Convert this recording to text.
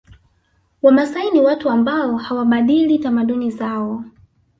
Wamasai ni watu wa ambao hawabadili tamaduni zao